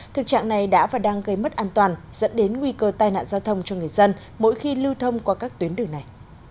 thực trạng này đã và đang gây mất an toàn dẫn đến nguy cơ tai nạn giao thông cho người dân mỗi khi lưu thông qua các tuyến đường này